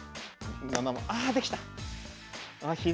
あできた！